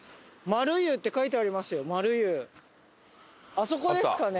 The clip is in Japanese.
あそこですかね？